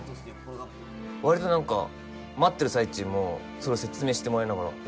わりと待ってる最中もそれを説明してもらいながらえ！